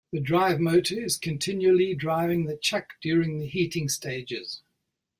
The drive motor is continually driving the chuck during the heating stages.